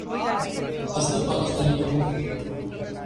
اصلی پاکستانی کون ہے